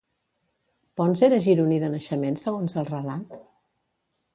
Ponç era gironí de naixement, segons el relat?